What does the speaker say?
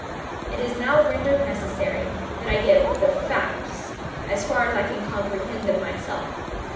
It is now rendered necessary that I give the facts—as far as I comprehend them myself.